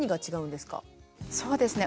そうですね